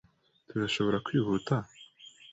Turashobora kwihuta?